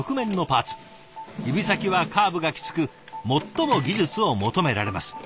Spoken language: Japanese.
指先はカーブがきつく最も技術を求められます。